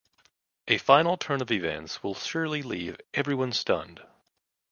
A final turn of events will surely leave everyone stunned!